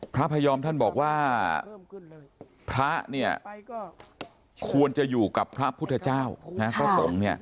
พระพยอมท่านบอกว่าพระเนี่ยควรจะอยู่กับพระพุทธเจ้าพระสงฆ์